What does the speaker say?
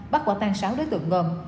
bắt quả tan sáu đối tượng gồm